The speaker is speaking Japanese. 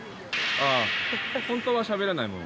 ああ本当はしゃべれないもの？